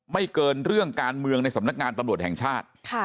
ไม่เกินเรื่องการเมืองในสำนักงานตำรวจแห่งชาติ